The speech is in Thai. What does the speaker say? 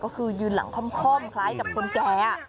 ก็คือยืนหลังค่อมคล้ายกับคนแก่